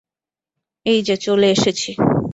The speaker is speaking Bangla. এই যে চলে এসেছি।